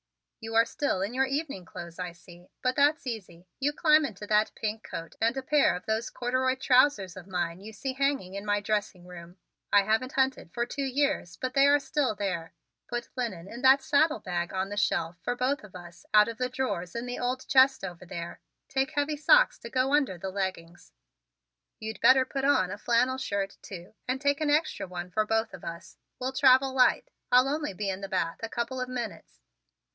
"You are still in your evening clothes, I see. But that's easy: you climb into that pink coat and a pair of those corduroy trousers of mine you see hanging in my dressing room. I haven't hunted for two years but they are still there. Put linen in that saddlebag on the shelf for us both out of the drawers in the old chest over there. Take heavy socks to go under the leggings. You'd better put on a flannel shirt, too, and take an extra one for both of us. We'll travel light. I'll only be in the bath a couple of minutes."